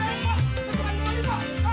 eh kek apa